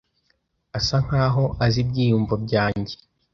Asa nkaho azi ibyiyumvo byanjye.